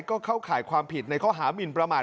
ก็เข้าข่ายความผิดในข้อหามินประมาท